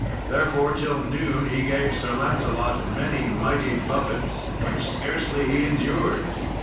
Therefore till noon he gave Sir Lancelot many mighty buffets, which scarcely he endured.